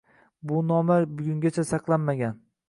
Bu nomlar bugungacha saqlanmagan.